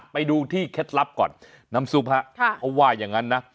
ไปดูที่เคล็ดลับก่อนน้ำซุปฮะเขาว่าอย่างนั้นนะ